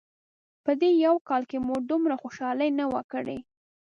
په دې یو کال مو دومره خوشحالي نه وه کړې.